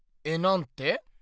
えなんて？